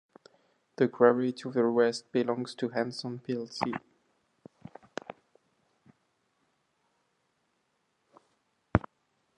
The quarry to the west belongs to Hanson plc.